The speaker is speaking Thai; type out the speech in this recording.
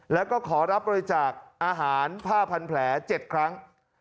แล้วก็ขอรับบริจาคอาหารผ้าพันแผล๗ครั้ง